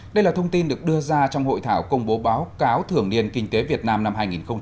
đây là thông tin được đưa ra trong hội thảo công bố báo cáo thường niên kinh tế việt nam năm hai nghìn hai mươi